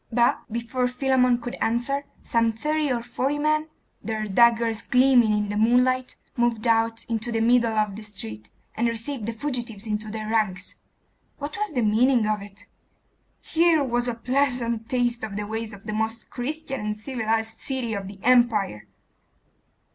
But, before Philammon could answer, some thirty or forty men, their daggers gleaming in the moonlight, moved out into the middle of the street, and received the fugitives into their ranks. What was the meaning of it? Here was a pleasant taste of the ways of the most Christian and civilised city of the Empire!